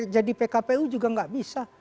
jadi pkpu juga enggak bisa